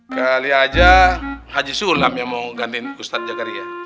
kali aja haji sulam yang mau gantiin ustadz jagaria